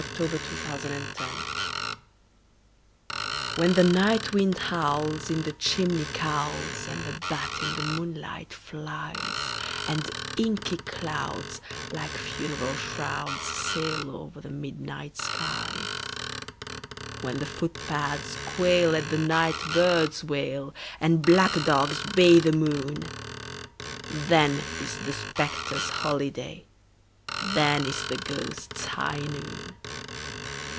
THE GHOSTS' HIGH NOON WHEN the night wind howls in the chimney cowls, and the bat in the moonlight flies, And inky clouds, like funeral shrouds, sail over the midnight skies— When the footpads quail at the night bird's wail, and black dogs bay the moon, Then is the spectres' holiday—then is the ghosts' high noon!